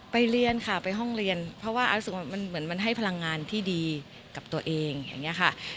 เรียนค่ะไปห้องเรียนเพราะว่าอาร์รู้สึกว่ามันเหมือนมันให้พลังงานที่ดีกับตัวเองอย่างนี้ค่ะ